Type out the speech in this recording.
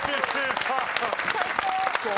最高！